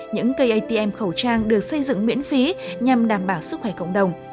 những cây atm khẩu trang được xây dựng miễn phí nhằm đảm bảo sức khỏe cộng đồng